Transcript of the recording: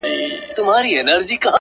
گراني ددې وطن په ورځ كي توره شپـه راځي!!